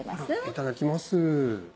いただきます。